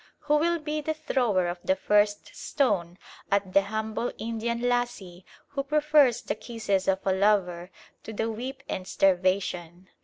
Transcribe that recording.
Who will be the thrower of the first stone at the humble Indian lassie who prefers the kisses of a lover to the whip and starvation?